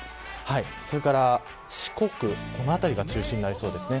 それから四国、この辺りが中心になりそうです。